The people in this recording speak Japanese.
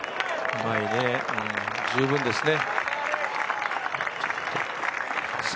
うまいね、十分ですね。